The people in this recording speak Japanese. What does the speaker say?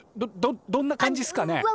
どどんな感じっすかね？